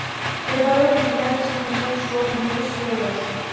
მდებარეობს მდინარე ცხენისწყლის შუა დინების ხეობაში.